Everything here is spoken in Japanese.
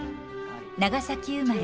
長崎生まれ。